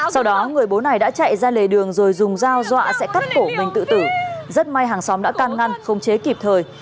sau đó người bố này đã chạy ra lề đường rồi dùng dao dọa sẽ cắt cổ mình tự tử rất may hàng xóm đã can ngăn không chế kịp thời